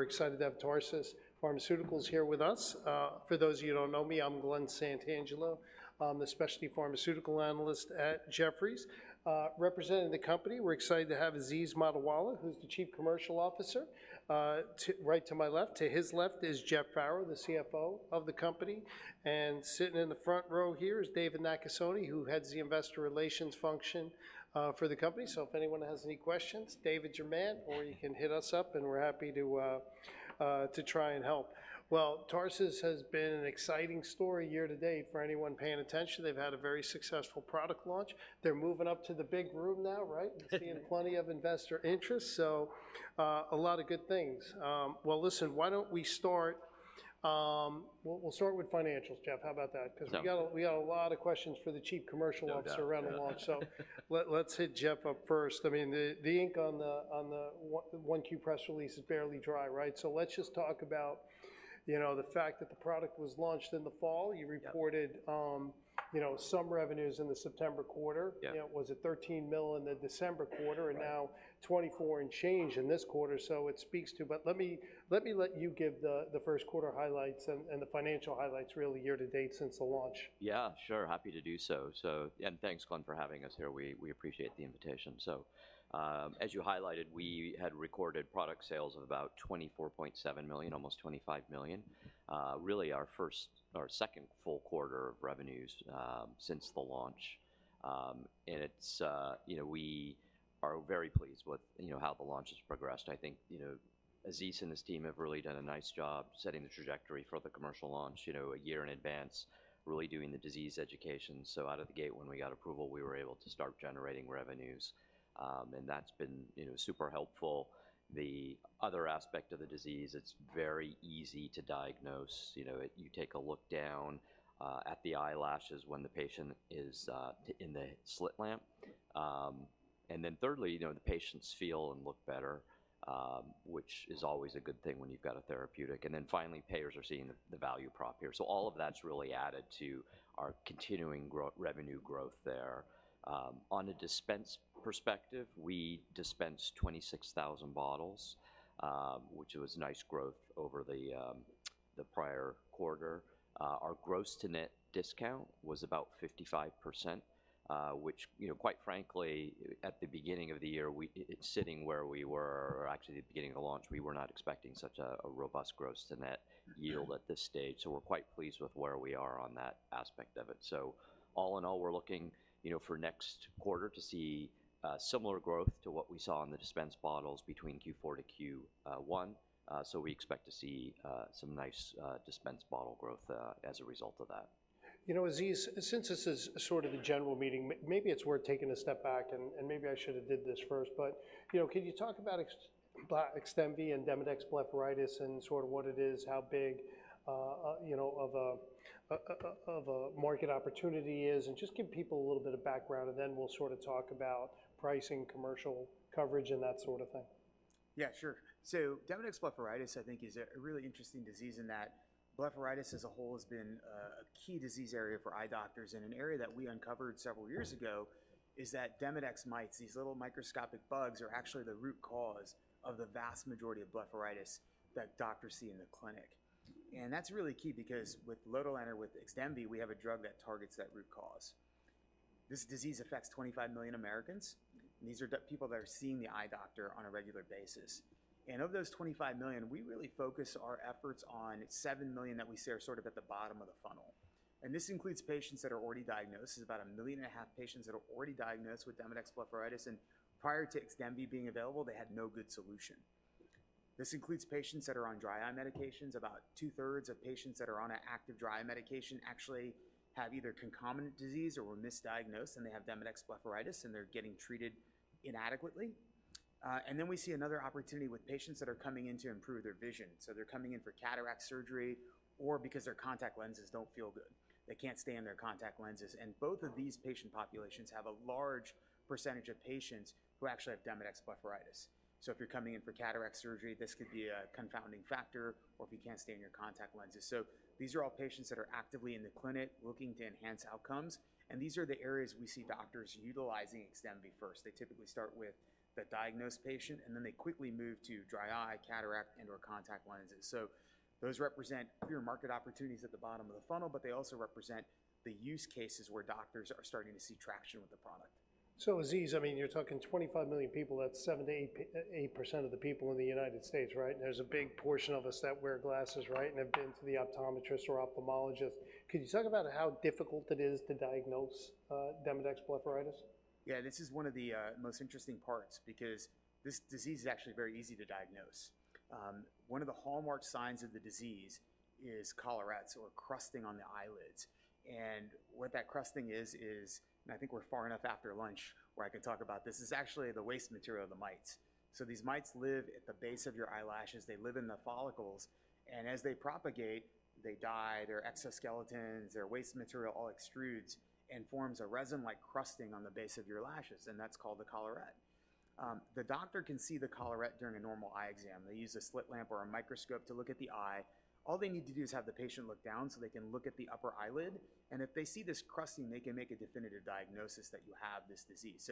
We're excited to have Tarsus Pharmaceuticals here with us. For those of you who don't know me, I'm Glenn Santangelo. I'm the specialty pharmaceutical analyst at Jefferies. Representing the company, we're excited to have Aziz Motala, who's the Chief Commercial Officer, right to my left. To his left is Jeff Farrow, the CFO of the company, and sitting in the front row here is David Nakasone, who heads the investor relations function, for the company. So if anyone has any questions, David's your man, or you can hit us up and we're happy to try and help. Well, Tarsus has been an exciting story year to date for anyone paying attention. They've had a very successful product launch. They're moving up to the big room now, right? Seeing plenty of investor interest, so a lot of good things. Well, listen, why don't we start... We'll, we'll start with financials, Jeff. How about that? Yeah. 'Cause we got a lot of questions for the Chief Commercial Officer- No doubt, yeah. Around the launch, so let's hit Jeff up first. I mean, the ink on the Q1 press release is barely dry, right? So let's just talk about, you know, the fact that the product was launched in the fall. Yeah. You reported, you know, some revenues in the September quarter. Yeah. You know, it was at $13 million in the December quarter- Right... and now 24 and change in this quarter, so it speaks to, but let me, let me let you give the, the first quarter highlights and, and the financial highlights, really, year to date since the launch. Yeah, sure, happy to do so. So, thanks, Glenn, for having us here. We appreciate the invitation. As you highlighted, we had recorded product sales of about $24.7 million, almost $25 million. Really, our second full quarter of revenues since the launch. And it's, you know, we are very pleased with, you know, how the launch has progressed. I think, you know, Aziz and his team have really done a nice job setting the trajectory for the commercial launch, you know, a year in advance, really doing the disease education. So out of the gate, when we got approval, we were able to start generating revenues, and that's been, you know, super helpful. The other aspect of the disease, it's very easy to diagnose. You know, you take a look down at the eyelashes when the patient is in the slit lamp. And then thirdly, you know, the patients feel and look better, which is always a good thing when you've got a therapeutic. And then finally, payers are seeing the value prop here. So all of that's really added to our continuing revenue growth there. On a dispense perspective, we dispensed 26,000 bottles, which was nice growth over the prior quarter. Our gross to net discount was about 55%, which, you know, quite frankly, at the beginning of the year, it's sitting where we were, or actually, at the beginning of the launch, we were not expecting such a robust gross to net yield at this stage, so we're quite pleased with where we are on that aspect of it. So all in all, we're looking, you know, for next quarter to see similar growth to what we saw in the dispensed bottles between Q4 to Q1. So we expect to see some nice dispensed bottle growth as a result of that. You know, Aziz, since this is sort of a general meeting, maybe it's worth taking a step back, and maybe I should have did this first, but, you know, can you talk about XDEMVY and Demodex blepharitis and sort of what it is, how big, you know, of a market opportunity it is, and just give people a little bit of background? And then we'll sort of talk about pricing, commercial coverage, and that sort of thing. Yeah, sure. So Demodex blepharitis, I think, is a really interesting disease in that blepharitis as a whole has been a key disease area for eye doctors, and an area that we uncovered several years ago is that Demodex mites, these little microscopic bugs, are actually the root cause of the vast majority of blepharitis that doctors see in the clinic. And that's really key because with lotilaner, with XDEMVY, we have a drug that targets that root cause. This disease affects 25 million Americans. These are people that are seeing the eye doctor on a regular basis, and of those 25 million, we really focus our efforts on 7 million that we say are sort of at the bottom of the funnel. And this includes patients that are already diagnosed. This is about 1.5 million patients that are already diagnosed with Demodex blepharitis, and prior to XDEMVY being available, they had no good solution. This includes patients that are on dry eye medications. About two-thirds of patients that are on an active dry eye medication actually have either concomitant disease or were misdiagnosed, and they have Demodex blepharitis, and they're getting treated inadequately. And then we see another opportunity with patients that are coming in to improve their vision. So they're coming in for cataract surgery or because their contact lenses don't feel good. They can't stay on their contact lenses, and both of these patient populations have a large percentage of patients who actually have Demodex blepharitis. So if you're coming in for cataract surgery, this could be a confounding factor or if you can't stay in your contact lenses. So these are all patients that are actively in the clinic looking to enhance outcomes, and these are the areas we see doctors utilizing XDEMVY first. They typically start with the diagnosed patient, and then they quickly move to dry eye, cataract, and/or contact lenses. So those represent clear market opportunities at the bottom of the funnel, but they also represent the use cases where doctors are starting to see traction with the product. So, Aziz, I mean, you're talking 25 million people. That's 78.8% of the people in the United States, right? There's a big portion of us that wear glasses, right, and have been to the optometrist or ophthalmologist. Could you talk about how difficult it is to diagnose Demodex blepharitis? Yeah, this is one of the most interesting parts because this disease is actually very easy to diagnose. One of the hallmark signs of the disease is collarettes or crusting on the eyelids, and what that crusting is-- and I think we're far enough after lunch where I can talk about this. This is actually the waste material of the mites. So these mites live at the base of your eyelashes. They live in the follicles, and as they propagate, they die. Their exoskeletons, their waste material all extrudes and forms a resin-like crusting on the base of your lashes, and that's called the collarette. The doctor can see the collarette during a normal eye exam. They use a slit lamp or a microscope to look at the eye. All they need to do is have the patient look down so they can look at the upper eyelid, and if they see this crusting, they can make a definitive diagnosis that you have this disease.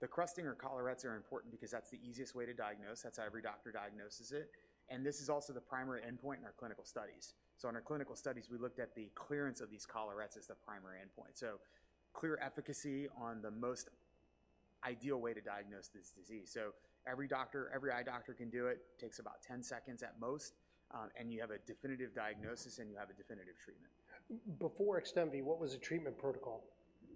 The crusting or collarettes are important because that's the easiest way to diagnose. That's how every doctor diagnoses it, and this is also the primary endpoint in our clinical studies. In our clinical studies, we looked at the clearance of these collarettes as the primary endpoint. Clear efficacy on the most ideal way to diagnose this disease. Every doctor, every eye doctor can do it. Takes about 10 seconds at most, and you have a definitive diagnosis, and you have a definitive treatment. Before XDEMVY, what was the treatment protocol?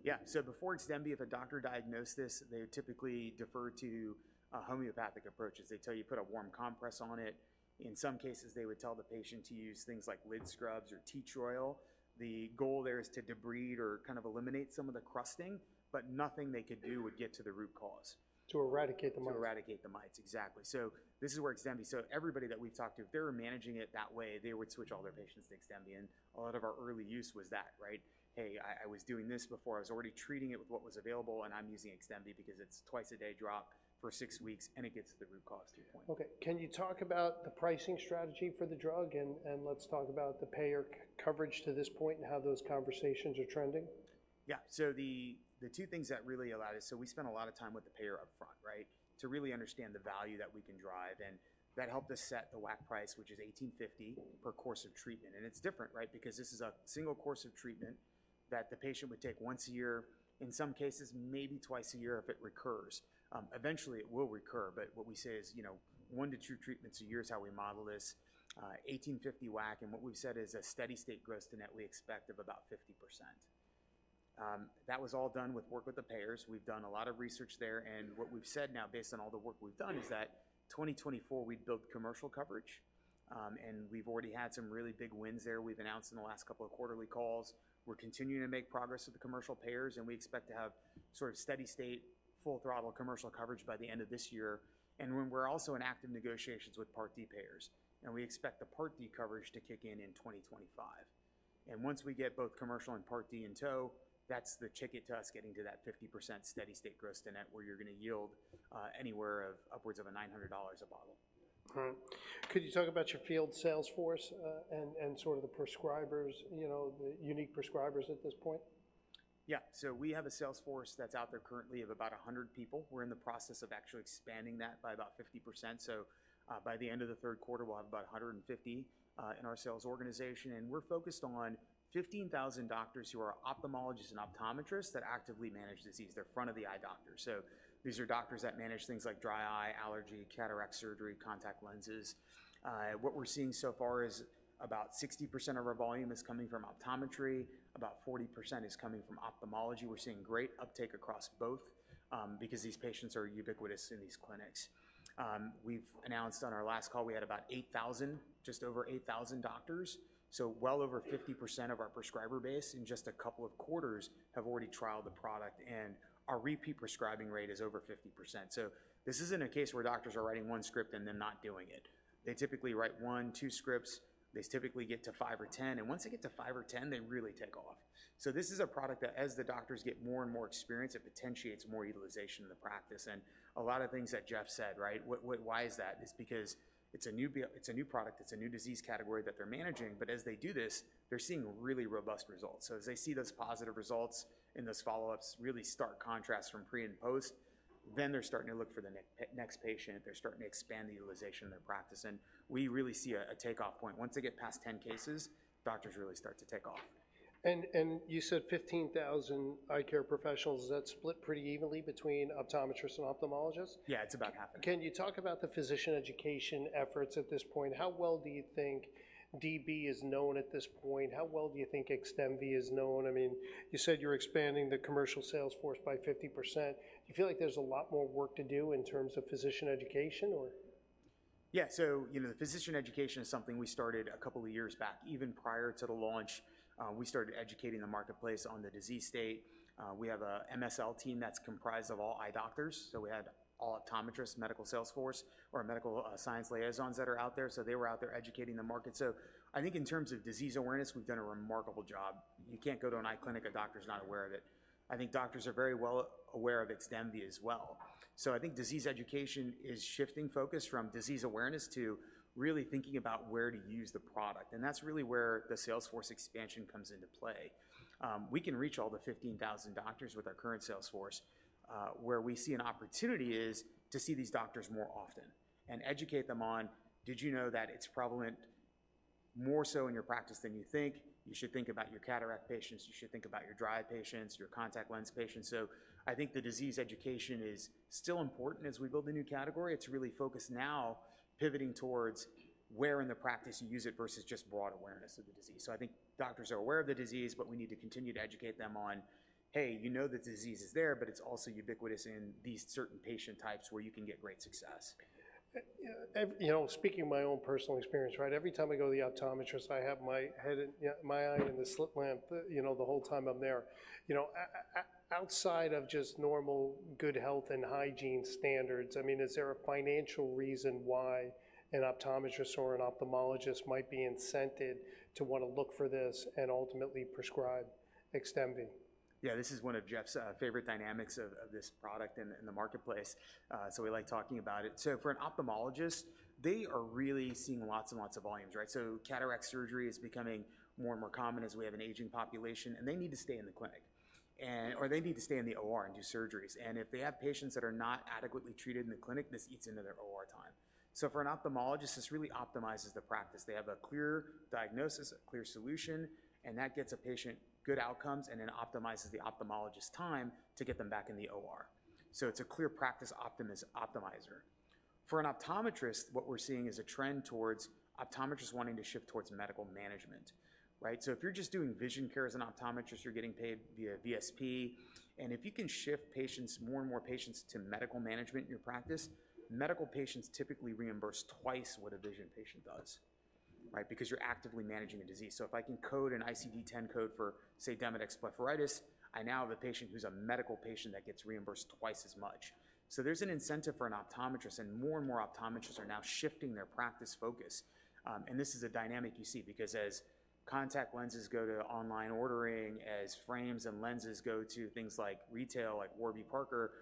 Yeah. So before XDEMVY, if a doctor diagnosed this, they would typically defer to a homeopathic approach, as they tell you, put a warm compress on it. In some cases, they would tell the patient to use things like lid scrubs or tea tree oil. The goal there is to debride or kind of eliminate some of the crusting, but nothing they could do would get to the root cause. To eradicate the mites. To eradicate the mites, exactly. So this is where XDEMVY, so everybody that we've talked to, if they were managing it that way, they would switch all their patients to XDEMVY, and a lot of our early use was that, right? "Hey, I, I was doing this before. I was already treating it with what was available, and I'm using XDEMVY because it's twice-a-day drop for six weeks, and it gets to the root cause. Okay. Can you talk about the pricing strategy for the drug, and let's talk about the payer coverage to this point and how those conversations are trending? Yeah. So the two things that really allowed us, so we spent a lot of time with the payer upfront, right? To really understand the value that we can drive, and that helped us set the WAC price, which is $1,850 per course of treatment. And it's different, right? Because this is a single course of treatment that the patient would take once a year, in some cases, maybe twice a year, if it recurs. Eventually, it will recur, but what we say is, you know, 1-2 treatments a year is how we model this. $1,850 WAC, and what we've said is a steady state gross to net, we expect of about 50%. That was all done with work with the payers. We've done a lot of research there, and what we've said now, based on all the work we've done, is that 2024, we'd built commercial coverage. And we've already had some really big wins there. We've announced in the last couple of quarterly calls. We're continuing to make progress with the commercial payers, and we expect to have sort of steady state, full throttle commercial coverage by the end of this year. And we're, we're also in active negotiations with Part D payers, and we expect the Part D coverage to kick in in 2025. And once we get both commercial and Part D in tow, that's the ticket to us getting to that 50% steady-state gross to net, where you're gonna yield anywhere of upwards of $900 a bottle. All right. Could you talk about your field sales force, and sort of the prescribers, you know, the unique prescribers at this point? Yeah. So we have a sales force that's out there currently of about 100 people. We're in the process of actually expanding that by about 50%. So, by the end of the third quarter, we'll have about 150 in our sales organization, and we're focused on 15,000 doctors who are ophthalmologists and optometrists that actively manage disease. They're front-of-the-eye doctors. So these are doctors that manage things like dry eye, allergy, cataract surgery, contact lenses. What we're seeing so far is about 60% of our volume is coming from optometry. About 40% is coming from ophthalmology. We're seeing great uptake across both, because these patients are ubiquitous in these clinics. We've announced on our last call, we had about 8,000, just over 8,000 doctors. So well over 50% of our prescriber base in just a couple of quarters have already trialed the product, and our repeat prescribing rate is over 50%. So this isn't a case where doctors are writing one script and then not doing it. They typically write one, two scripts. They typically get to 5 or 10, and once they get to 5 or 10, they really take off. So this is a product that, as the doctors get more and more experienced, it potentiates more utilization in the practice. And a lot of things that Jeff said, right? Why is that? It's because it's a new product, it's a new disease category that they're managing, but as they do this, they're seeing really robust results. So as they see those positive results in those follow-ups, really stark contrasts from pre and post, then they're starting to look for the next patient. They're starting to expand the utilization in their practice, and we really see a takeoff point. Once they get past 10 cases, doctors really start to take off. You said 15,000 eye care professionals. Is that split pretty evenly between optometrists and ophthalmologists? Yeah, it's about 50/50. Can you talk about the physician education efforts at this point? How well do you think DB is known at this point? How well do you think XDEMVY is known? I mean, you said you're expanding the commercial sales force by 50%. Do you feel like there's a lot more work to do in terms of physician education or? Yeah. So, you know, the physician education is something we started a couple of years back. Even prior to the launch, we started educating the marketplace on the disease state. We have a MSL team that's comprised of all eye doctors, so we had all optometrists, medical sales force, or medical, science liaisons that are out there, so they were out there educating the market. So I think in terms of disease awareness, we've done a remarkable job. You can't go to an eye clinic, a doctor's not aware of it. I think doctors are very well aware of XDEMVY as well. So I think disease education is shifting focus from disease awareness to really thinking about where to use the product, and that's really where the sales force expansion comes into play. We can reach all the 15,000 doctors with our current sales force. Where we see an opportunity is to see these doctors more often and educate them on, "Did you know that it's prevalent more so in your practice than you think? You should think about your cataract patients. You should think about your dry eye patients, your contact lens patients." So I think the disease education is still important as we build the new category. It's really focused now pivoting towards where in the practice you use it versus just broad awareness of the disease. So I think doctors are aware of the disease, but we need to continue to educate them on, "Hey, you know the disease is there, but it's also ubiquitous in these certain patient types where you can get great success. You know, speaking of my own personal experience, right? Every time I go to the optometrist, I have my head in, yeah, my eye in the slit lamp, you know, the whole time I'm there. You know, outside of just normal good health and hygiene standards, I mean, is there a financial reason why an optometrist or an ophthalmologist might be incented to want to look for this and ultimately prescribe XDEMVY?... Yeah, this is one of Jeff's favorite dynamics of this product in the marketplace, so we like talking about it. So for an ophthalmologist, they are really seeing lots and lots of volumes, right? So cataract surgery is becoming more and more common as we have an aging population, and they need to stay in the clinic or they need to stay in the OR and do surgeries. And if they have patients that are not adequately treated in the clinic, this eats into their OR time. So for an ophthalmologist, this really optimizes the practice. They have a clear diagnosis, a clear solution, and that gets a patient good outcomes and then optimizes the ophthalmologist's time to get them back in the OR. So it's a clear practice optimizer. For an optometrist, what we're seeing is a trend towards optometrists wanting to shift towards medical management, right? So if you're just doing vision care as an optometrist, you're getting paid via VSP. And if you can shift patients, more and more patients, to medical management in your practice, medical patients typically reimburse twice what a vision patient does, right? Because you're actively managing a disease. So if I can code an ICD-10 code for, say, Demodex blepharitis, I now have a patient who's a medical patient that gets reimbursed twice as much. So there's an incentive for an optometrist, and more and more optometrists are now shifting their practice focus. And this is a dynamic you see, because as contact lenses go to online ordering, as frames and lenses go to things like retail, like Warby Parker,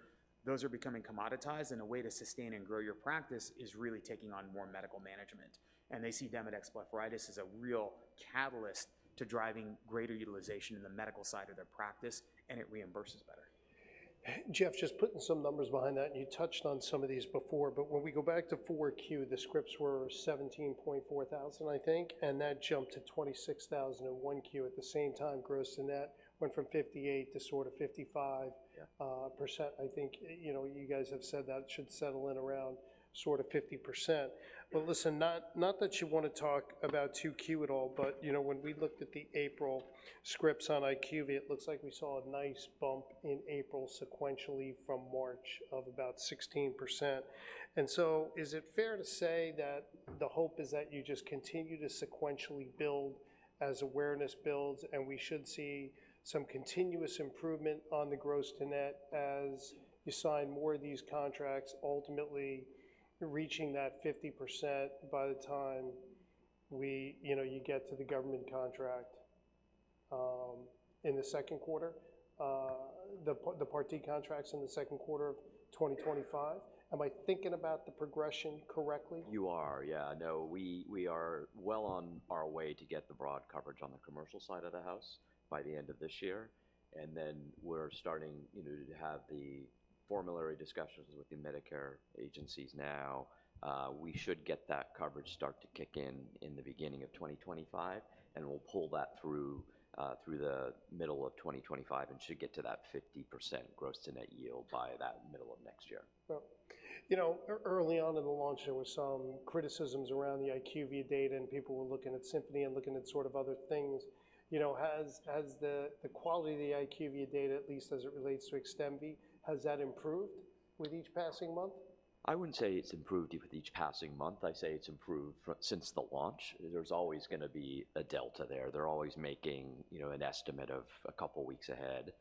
those are becoming commoditized. A way to sustain and grow your practice is really taking on more medical management, and they see Demodex blepharitis as a real catalyst to driving greater utilization in the medical side of their practice, and it reimburses better. Jeff, just putting some numbers behind that, and you touched on some of these before. But when we go back to 4Q, the scripts were 17,400, I think, and that jumped to 26,000 in 1Q. At the same time, gross to net went from 58% to sort of 55%- Yeah... percent. I think, you know, you guys have said that should settle in around sort of 50%. But listen, not, not that you want to talk about 2Q at all, but, you know, when we looked at the April scripts on IQVIA, it looks like we saw a nice bump in April sequentially from March of about 16%. And so is it fair to say that the hope is that you just continue to sequentially build as awareness builds, and we should see some continuous improvement on the gross to net as you sign more of these contracts, ultimately reaching that 50% by the time we, you know, you get to the government contract, in the second quarter? The Part D contracts in the second quarter of 2025. Am I thinking about the progression correctly? You are, yeah. No, we are well on our way to get the broad coverage on the commercial side of the house by the end of this year, and then we're starting, you know, to have the formulary discussions with the Medicare agencies now. We should get that coverage start to kick in, in the beginning of 2025, and we'll pull that through, through the middle of 2025 and should get to that 50% gross to net yield by that middle of next year. Well, you know, early on in the launch, there were some criticisms around the IQVIA data, and people were looking at Symphony and looking at sort of other things. You know, has the quality of the IQVIA data, at least as it relates to XDEMVY, improved with each passing month? I wouldn't say it's improved with each passing month. I'd say it's improved from since the launch. There's always gonna be a delta there. They're always making, you know, an estimate of a couple weeks ahead.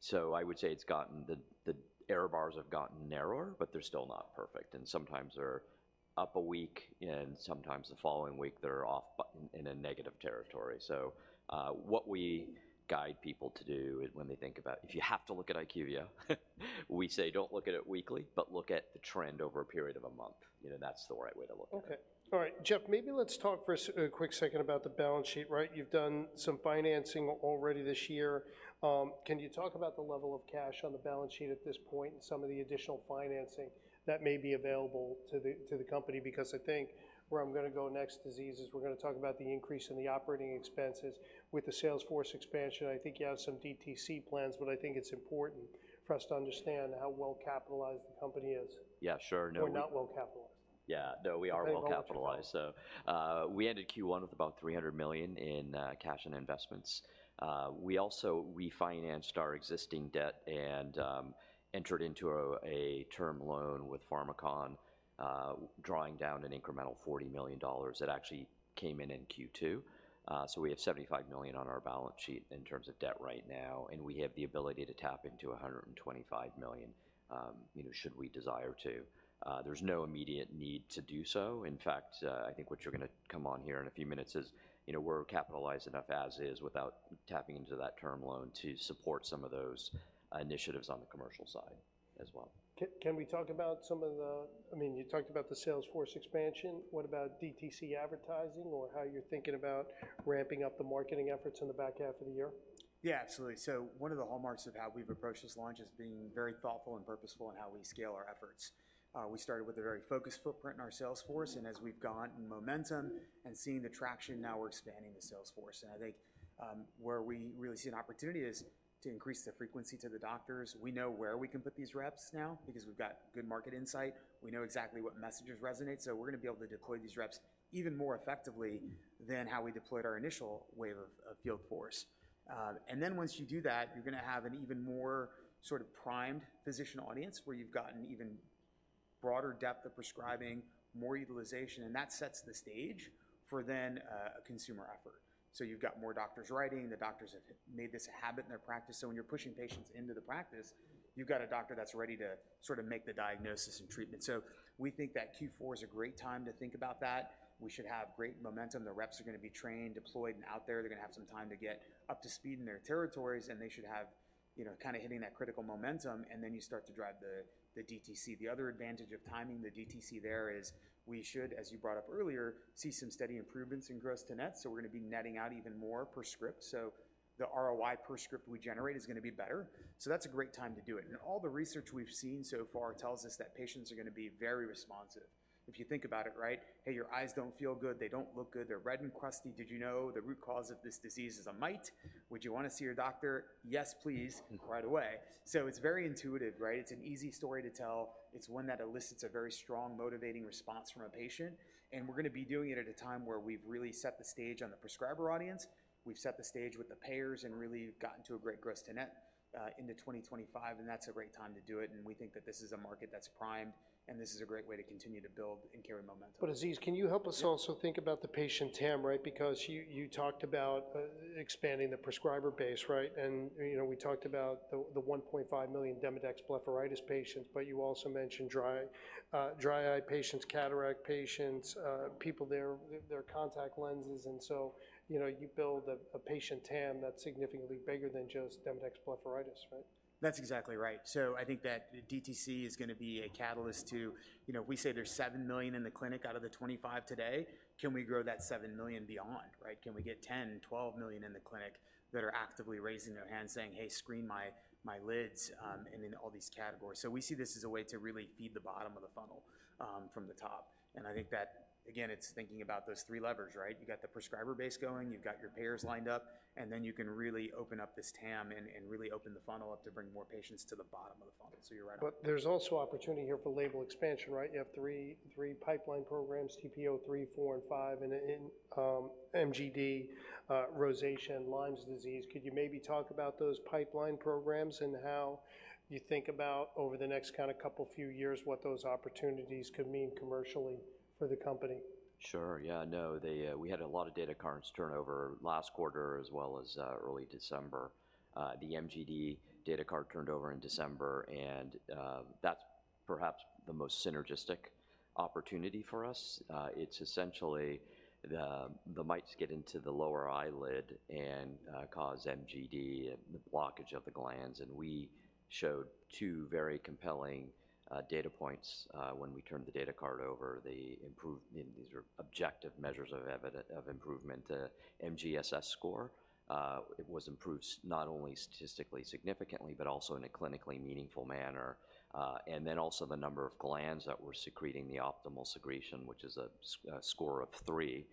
So I would say it's gotten. The error bars have gotten narrower, but they're still not perfect, and sometimes they're up a week, and sometimes the following week they're off but in a negative territory. So, what we guide people to do is when they think about. If you have to look at IQVIA, we say don't look at it weekly, but look at the trend over a period of a month. You know, that's the right way to look at it. Okay. All right. Jeff, maybe let's talk for a quick second about the balance sheet, right? You've done some financing already this year. Can you talk about the level of cash on the balance sheet at this point and some of the additional financing that may be available to the company? Because I think where I'm gonna go next, diseases, we're gonna talk about the increase in the operating expenses with the salesforce expansion. I think you have some DTC plans, but I think it's important for us to understand how well-capitalized the company is. Yeah, sure. We're not well-capitalized. Yeah. No, we are well-capitalized. Okay, well, that's right. So, we ended Q1 with about $300 million in cash and investments. We also refinanced our existing debt and entered into a term loan with Pharmakon, drawing down an incremental $40 million that actually came in in Q2. So we have $75 million on our balance sheet in terms of debt right now, and we have the ability to tap into $125 million, you know, should we desire to. There's no immediate need to do so. In fact, I think what you're gonna come on here in a few minutes is, you know, we're capitalized enough as is without tapping into that term loan to support some of those initiatives on the commercial side as well. Can we talk about some of the, I mean, you talked about the sales force expansion. What about DTC advertising or how you're thinking about ramping up the marketing efforts in the back half of the year? Yeah, absolutely. So one of the hallmarks of how we've approached this launch is being very thoughtful and purposeful in how we scale our efforts. We started with a very focused footprint in our sales force, and as we've gotten momentum and seeing the traction, now we're expanding the sales force. And I think, where we really see an opportunity is to increase the frequency to the doctors. We know where we can put these reps now because we've got good market insight. We know exactly what messages resonate, so we're gonna be able to deploy these reps even more effectively than how we deployed our initial wave of field force. And then once you do that, you're gonna have an even more sort of primed physician audience, where you've gotten even-... broader depth of prescribing, more utilization, and that sets the stage for then, a consumer effort. So you've got more doctors writing. The doctors have made this a habit in their practice, so when you're pushing patients into the practice, you've got a doctor that's ready to sort of make the diagnosis and treatment. So we think that Q4 is a great time to think about that. We should have great momentum. The reps are gonna be trained, deployed, and out there. They're gonna have some time to get up to speed in their territories, and they should have, you know, kinda hitting that critical momentum, and then you start to drive the, the DTC. The other advantage of timing the DTC there is we should, as you brought up earlier, see some steady improvements in gross to net, so we're gonna be netting out even more per script. So the ROI per script we generate is gonna be better. So that's a great time to do it. And all the research we've seen so far tells us that patients are gonna be very responsive. If you think about it, right, "Hey, your eyes don't feel good. They don't look good. They're red and crusty. Did you know the root cause of this disease is a mite? Would you want to see your doctor?" "Yes, please, right away." So it's very intuitive, right? It's an easy story to tell. It's one that elicits a very strong motivating response from a patient, and we're gonna be doing it at a time where we've really set the stage on the prescriber audience. We've set the stage with the payers and really gotten to a great gross to net into 2025, and that's a great time to do it, and we think that this is a market that's primed, and this is a great way to continue to build and carry momentum. But Aziz, can you help us- Yeah... also think about the patient TAM, right? Because you talked about expanding the prescriber base, right? And you know, we talked about the 1.5 million Demodex blepharitis patients, but you also mentioned dry eye patients, cataract patients, people, their contact lenses. And so, you know, you build a patient TAM that's significantly bigger than just Demodex blepharitis, right? That's exactly right. So I think that DTC is gonna be a catalyst to, you know, we say there's 7 million in the clinic out of the 25 today. Can we grow that 7 million beyond, right? Can we get 10, 12 million in the clinic that are actively raising their hand, saying, "Hey, screen my lids," and in all these categories? So we see this as a way to really feed the bottom of the funnel, from the top. And I think that, again, it's thinking about those three levers, right? You got the prescriber base going. You've got your payers lined up, and then you can really open up this TAM and, and really open the funnel up to bring more patients to the bottom of the funnel. So you're right. But there's also opportunity here for label expansion, right? You have three pipeline programs, TP-03, TP-04, and TP-05, and in MGD, rosacea, and Lyme disease. Could you maybe talk about those pipeline programs and how you think about over the next kinda couple, few years, what those opportunities could mean commercially for the company? Sure, yeah. No, they, we had a lot of data cards turn over last quarter, as well as early December. The MGD data card turned over in December, and that's perhaps the most synergistic opportunity for us. It's essentially the mites get into the lower eyelid and cause MGD and the blockage of the glands, and we showed two very compelling data points when we turned the data card over. The improvement and these are objective measures of evidence of improvement. The MGSS score, it was improved not only statistically significantly but also in a clinically meaningful manner. And then also the number of glands that were secreting the optimal secretion, which is a score of three,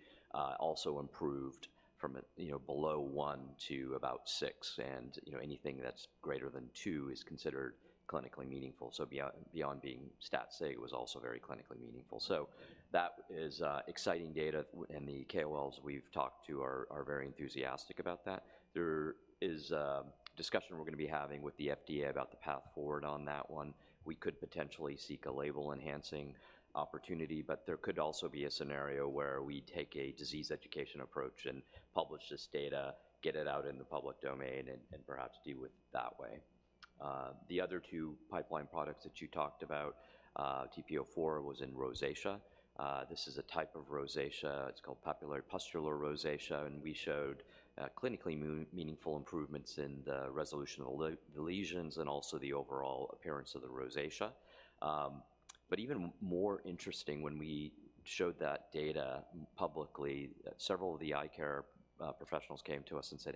also improved from, you know, below one to about six, and, you know, anything that's greater than two is considered clinically meaningful. So beyond being stat sig, it was also very clinically meaningful. So that is exciting data, and the KOLs we've talked to are very enthusiastic about that. There is a discussion we're gonna be having with the FDA about the path forward on that one. We could potentially seek a label-enhancing opportunity, but there could also be a scenario where we take a disease education approach and publish this data, get it out in the public domain, and perhaps deal with it that way. The other two pipeline products that you talked about, TP-04, was in rosacea. This is a type of rosacea. It's called papulopustular rosacea, and we showed clinically meaningful improvements in the resolution of the lesions and also the overall appearance of the rosacea. But even more interesting, when we showed that data publicly, several of the eye care professionals came to us and said,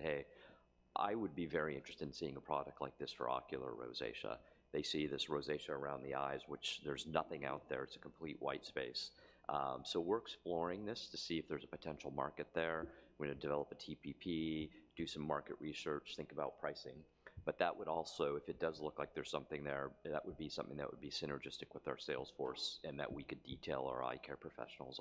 "Hey, I would be very interested in seeing a product like this for ocular rosacea." They see this rosacea around the eyes, which there's nothing out there. It's a complete white space. So we're exploring this to see if there's a potential market there. We're gonna develop a TPP, do some market research, think about pricing. But that would also, if it does look like there's something there, that would be something that would be synergistic with our sales force and that we could detail our eye care professionals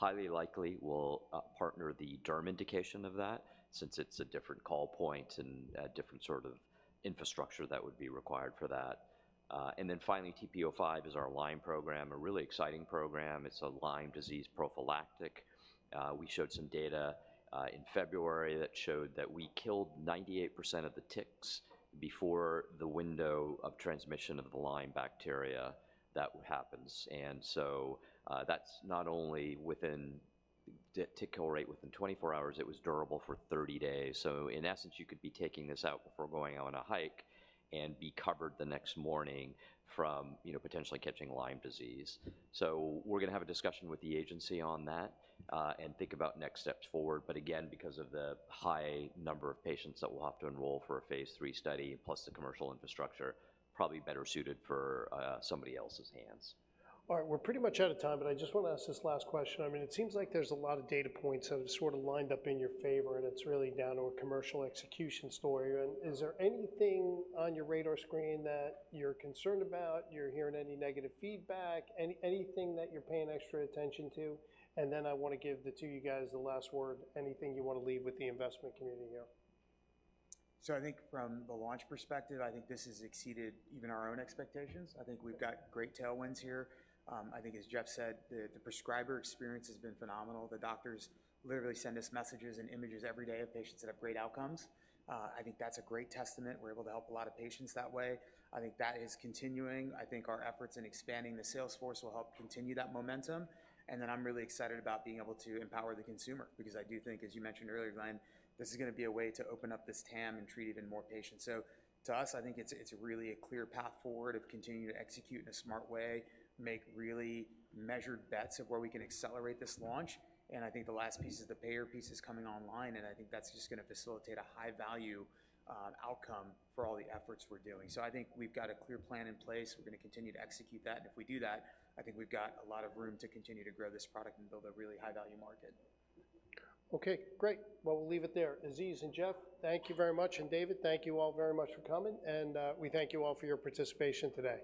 on. Highly likely, we'll partner the derm indication of that, since it's a different call point and a different sort of infrastructure that would be required for that. And then finally, TP-05 is our Lyme program, a really exciting program. It's a Lyme disease prophylactic. We showed some data in February that showed that we killed 98% of the ticks before the window of transmission of the Lyme bacteria that happens. And so, that's not only within tick kill rate within 24 hours, it was durable for 30 days. So in essence, you could be taking this out before going on a hike and be covered the next morning from, you know, potentially catching Lyme disease. So we're gonna have a discussion with the agency on that, and think about next steps forward. But again, because of the high number of patients that we'll have to enroll for a phase III study, plus the commercial infrastructure, probably better suited for somebody else's hands. All right. We're pretty much out of time, but I just want to ask this last question. I mean, it seems like there's a lot of data points that are sort of lined up in your favor, and it's really down to a commercial execution story. And is there anything on your radar screen that you're concerned about, you're hearing any negative feedback, anything that you're paying extra attention to? And then I want to give the two of you guys the last word. Anything you want to leave with the investment community here? So I think from the launch perspective, I think this has exceeded even our own expectations. I think we've got great tailwinds here. I think as Jeff said, the, the prescriber experience has been phenomenal. The doctors literally send us messages and images every day of patients that have great outcomes. I think that's a great testament. We're able to help a lot of patients that way. I think that is continuing. I think our efforts in expanding the sales force will help continue that momentum, and then I'm really excited about being able to empower the consumer because I do think, as you mentioned earlier, Brian, this is gonna be a way to open up this TAM and treat even more patients. To us, I think it's, it's really a clear path forward of continuing to execute in a smart way, make really measured bets of where we can accelerate this launch. I think the last piece is the payer piece is coming online, and I think that's just gonna facilitate a high-value outcome for all the efforts we're doing. I think we've got a clear plan in place. We're gonna continue to execute that, and if we do that, I think we've got a lot of room to continue to grow this product and build a really high-value market. Okay, great. Well, we'll leave it there. Aziz and Jeff, thank you very much. And David, thank you all very much for coming, and we thank you all for your participation today.